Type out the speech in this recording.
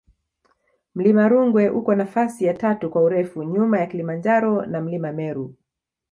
mlima rungwe uko nafasi ya tatu kwa urefu nyuma ya kilimanjaro na mlima meru